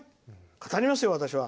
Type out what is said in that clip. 語りますよ、私は。